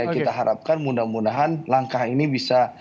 kita harapkan mudah mudahan langkah ini bisa